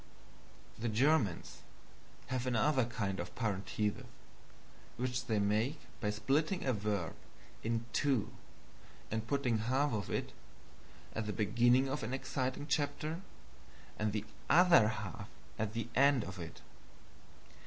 The Germans have another kind of parenthesis, which they make by splitting a verb in two and putting half of it at the beginning of an exciting chapter and the OTHER HALF at the end of it.